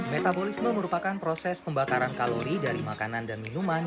metabolisme merupakan proses pembakaran kalori dari makanan dan minuman